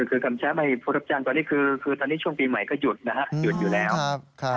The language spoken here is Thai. คือกรรมชัพใหม่พุทธจังตอนนี้ช่วงปีใหม่ก็หยุดนะฮะหยุดอยู่แล้ว